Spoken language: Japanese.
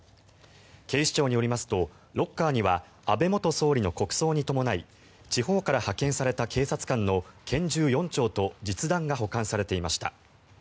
警視庁によりますとロッカーには安倍元総理の国葬に伴い地方から派遣された警察官の拳銃４丁と実弾が保管されていました。